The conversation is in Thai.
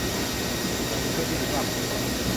ฉันเป็นเพื่อนที่ดีมากของคุณนะ